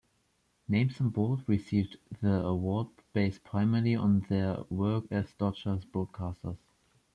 Names in bold received the award based primarily on their work as Dodgers broadcasters.